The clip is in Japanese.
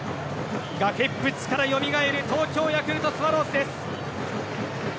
崖っ淵からよみがえる東京ヤクルトスワローズです。